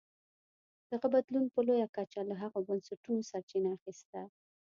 دغه بدلون په لویه کچه له هغو بنسټونو سرچینه اخیسته.